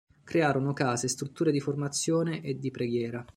Crearono case, strutture di formazione e di preghiera.